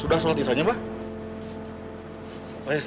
sudah solat istrinya abah